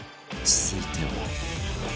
続いては